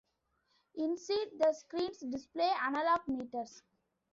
Instead the screens display analogue meters.